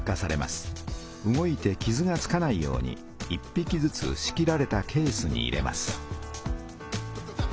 動いてきずがつかないように１ぴきずつ仕切られたケースに入れます。